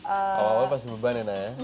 awalnya pasti beban ya naya